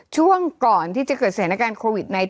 ช่วงก่อนที่จะเกิดสถานการณ์โควิด๑๙